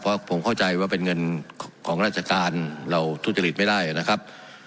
เพราะผมเข้าใจว่าเป็นเงินของราชการเราทุจริตไม่ได้นะครับ